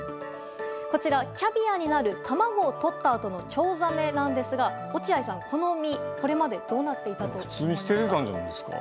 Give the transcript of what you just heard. こちら、キャビアになる卵をとったあとのチョウザメですが落合さん、この身、これまでどうなっていたと思いますか？